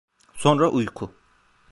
Sonra uyku…